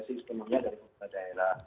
sistemnya dari pemerintah daerah